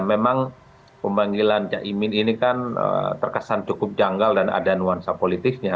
memang pemanggilan caimin ini kan terkesan cukup janggal dan ada nuansa politiknya